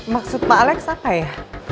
maksud pak alex apa ya